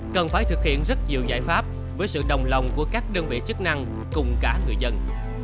cần phải thực hiện rất nhiều giải pháp với sự đồng lòng của các đơn vị chức năng cùng cả người dân